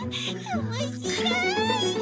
おもしろい！